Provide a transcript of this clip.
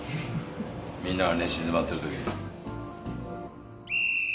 みんなが寝静まってるときに。